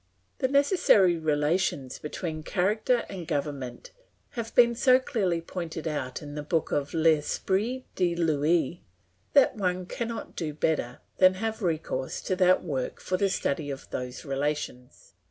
The necessary relations between character and government have been so clearly pointed out in the book of L'Esprit des Lois, that one cannot do better than have recourse to that work for the study of those relations.